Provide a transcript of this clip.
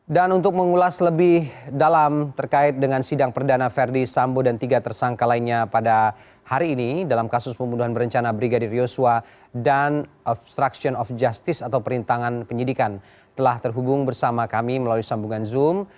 dan untuk mengulas lebih dalam terkait dengan sidang perdana verdi sambo dan tiga tersangka lainnya pada hari ini dalam kasus pembunuhan berencana brigadir yosua dan obstruction of justice atau perintangan penyidikan telah terhubung bersama kami melalui sambungan zoom